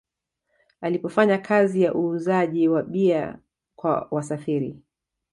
Alipofanya kazi ya uuzaji wa bia kwa wasafiri